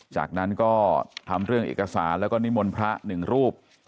จากนั้นก็ทำเรื่องเอกสารแล้วก็นิมนต์พระหนึ่งรูป